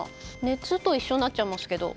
熱と一緒になっちゃいますけど。